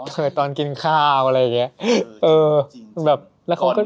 เปิดต้องชมรีดผ้าเปิดต้นกินข้าวอะไรอย่างเงี้ย